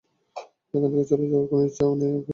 এখান থেকে চলে যাওয়ার কোন ইচ্ছে নেই নাকি তোমার?